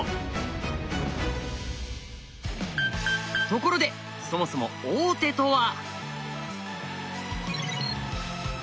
ところでそもそも王手とは。